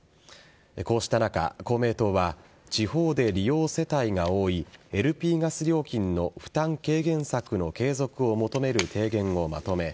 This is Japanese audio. こうした中、公明党は地方で利用世帯が多いＬＰガス料金の負担軽減策の継続を求める提言をまとめ